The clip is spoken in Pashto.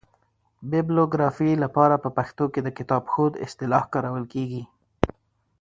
بیبلوګرافي له پاره په پښتو کښي دکتابښود اصطلاح کارول کیږي.